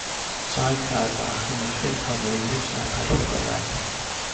Saif Caer Bach yn Nyffryn Conwy, nid nepell o Rowen.